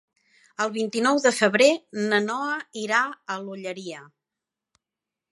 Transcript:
El vint-i-nou de febrer na Noa irà a l'Olleria.